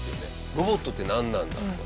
ロボットってなんなんだとか。